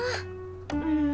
うん。